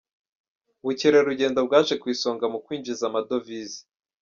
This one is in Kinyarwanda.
Ubukerarugendo bwaje ku isonga mu kwinjiza amadovize